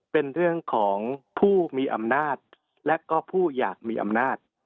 เป็นเรื่องของผู้มีอำนาจและก็ผู้อยากมีอำนาจ